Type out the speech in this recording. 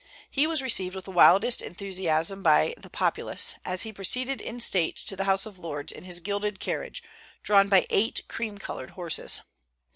He was received with the wildest enthusiasm by the populace, as he proceeded in state to the House of Lords in his gilded carriage, drawn by eight cream colored horses.